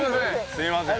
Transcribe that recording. すいません。